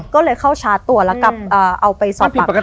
ก็เลยเข้าชาร์จตัวแล้วกลับเอาไปสอบปากคำ